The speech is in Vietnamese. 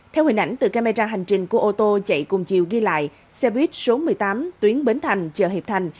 theo hình ảnh từ camera hành trình của ô tô chạy cùng chiều ghi lại xe buýt số một mươi tám tuyến bến thành chợ hiệp thành